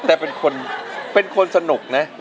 แต่เป็นคนสนุกนะ